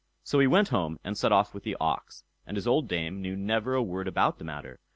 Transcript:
So he went home and set off with the ox, and his old dame knew never a word about the matter.